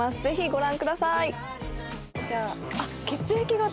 ぜひご覧ください。